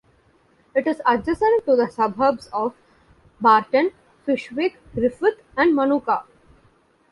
It is adjacent to the suburbs of Barton, Fyshwick, Griffith and Manuka.